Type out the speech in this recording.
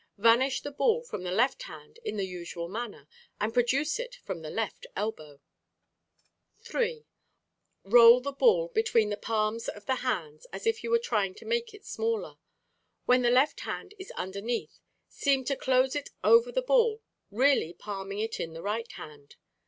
Vanish the ball from the left hand in the usual manner and produce it from the left elbow. Fig. 17. Ball in Position on Right Hand. 3. Roll the ball between the palms of the hands as if you were trying to make it smaller. When the left hand is underneath, seem to close it over the ball, really palming it in the right hand.